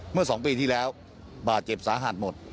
เมื่อ๒ปีที่แล้วบาดเจ็บสาหัสหมด